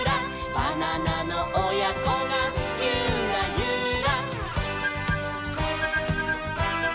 「バナナのおやこがユラユラ」